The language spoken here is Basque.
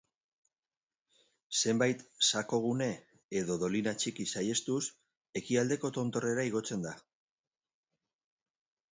Zenbait sakonune edo dolina txiki saihestuz, ekialdeko tontorrera igotzen da.